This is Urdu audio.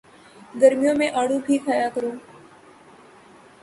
گرمیوں میں آڑو بھی کھایا کرو